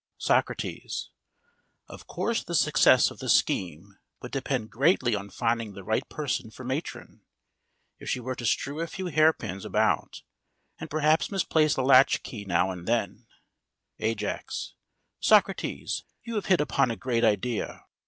SOCRATES: Of course the success of the scheme would depend greatly on finding the right person for matron. If she were to strew a few hairpins about and perhaps misplace a latch key now and then AJAX: Socrates, you have hit upon a great idea.